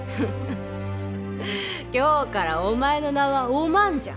今日からお前の名はお万じゃ。